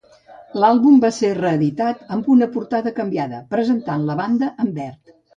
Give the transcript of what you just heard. L'àlbum va ser reeditat amb una portada canviada, presentant la banda en verd.